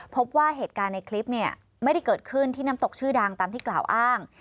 พบว่าเหตุการณ์ในคลิปเนี่ยไม่ได้เกิดขึ้นที่น้ำตกชื่อดังตามที่กล่าวอ้าง